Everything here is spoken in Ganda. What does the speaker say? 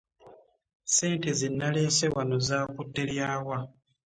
Ssente ze nalese wano zaakutte lya wa?